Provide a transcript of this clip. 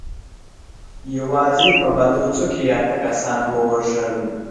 يواځې په بلوڅو کې يې اته سوه کسان ووژل.